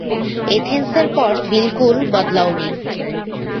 এথেন্সের পর বিলকুল বদলাওনি।